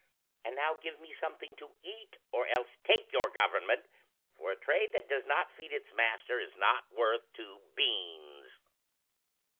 And now give me something to eat, or else take your government; for a trade that does not feed its master is not worth two beans...."